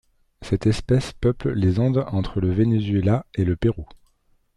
Cette espèce peuple les Andes entre le Venezuela et le Pérou.